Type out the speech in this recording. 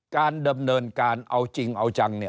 การดำเนินการเอาจริงเอาจัง